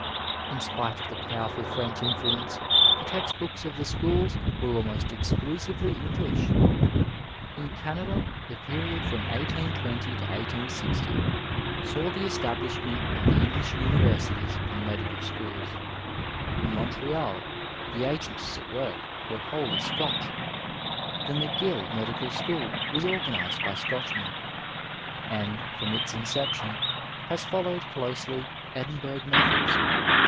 In spite of the powerful French influence the text books of the schools were almost exdusiyely English. In Canada the period from 1820 to 1860 saw the estab lishment of the English universities and medical schools. In Montreal the agencies at work were wholly Scotch. The McGill Medical School was organized by Scotchmen, and from its inception has followed closely Edinburgh methods.